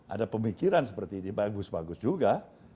ada pemikiran seperti ini bagus bagus juga